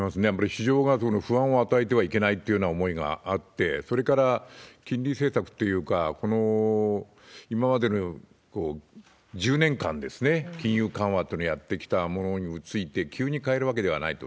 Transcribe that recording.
市場が不安を与えてはいけないというような思いがあって、それから、金利政策というか、この今までの１０年間、金融緩和というものをやってきたものについて、急に変えるわけではないと。